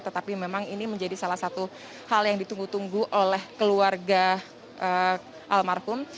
tetapi memang ini menjadi salah satu hal yang ditunggu tunggu oleh keluarga almarhum